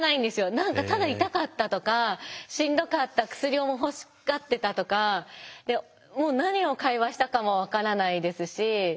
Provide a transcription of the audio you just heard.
何かただ痛かったとかしんどかった薬を欲しがってたとか何を会話したかも分からないですし。